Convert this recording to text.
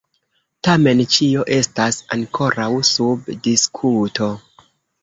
Tamen ĉio estas ankoraŭ sub diskuto.